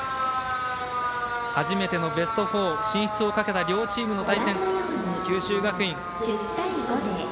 初めてのベスト４進出をかけた両チームの対戦、九州学院。